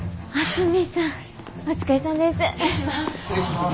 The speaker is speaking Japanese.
失礼します。